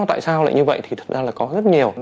tại sao lại như vậy thì thật ra là có rất nhiều